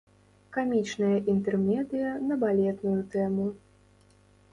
Камічная інтэрмедыя на балетную тэму.